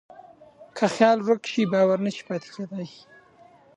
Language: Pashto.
که خیال ورک شي، باور نهشي پاتې کېدی.